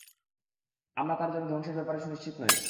আমরা তার ধ্বংসের ব্যাপারে সুনিশ্চিত নই।